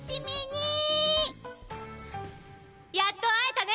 「やっと会えたね。